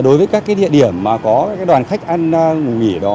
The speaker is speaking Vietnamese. đối với các địa điểm mà có đoàn khách ăn ngủ nghỉ đó